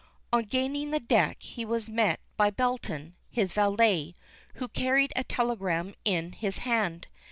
On gaining the deck he was met by Belton, his valet, who carried a telegram in his hand.